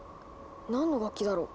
何の楽器だろう？